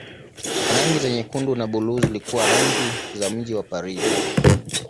Rangi za nyekundu na buluu zilikuwa rangi za mji wa Paris.